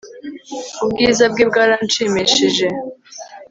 ubwiza bwe bwaranshimishije